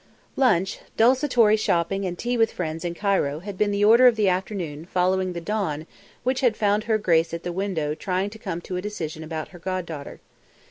Lunch, desultory shopping and tea with friends in Cairo had been the order of the afternoon following the dawn which had found her grace at the window trying to come to a decision about her god daughter.